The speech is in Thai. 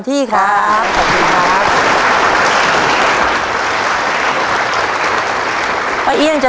ต่อเลยครับ